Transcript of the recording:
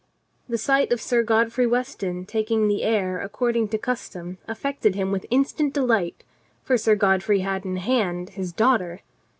The sight of Sir Godfrey Weston taking the air according to custom affected him with instant delight, for Sir Godfrey had in hand his daughter.